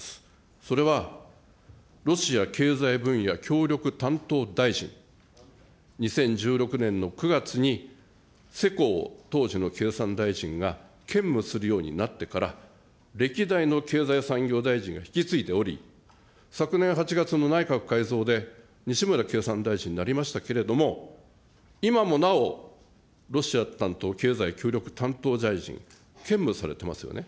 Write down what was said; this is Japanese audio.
それはロシア経済分野協力担当大臣、２０１６年の９月に、世耕、当時の経産大臣が兼務するようになってから、歴代の経済産業大臣が引き継いでおり、昨年８月の内閣改造で、西村経産大臣になりましたけれども、今もなお、ロシア担当、経済協力担当大臣、兼務されてますよね。